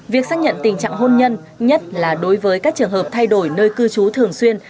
việc xác nhận tình trạng hôn nhân nhất là đối với các trường hợp thay đổi nơi cư trú thường xuyên